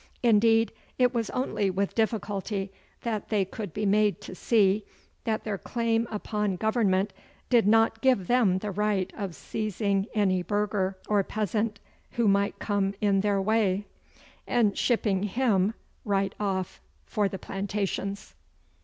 Indeed, it was only with difficulty that they could be made to see that their claim upon Government did not give them the right of seizing any burgher or peasant who might come in their way, and shipping him right off for the Plantations.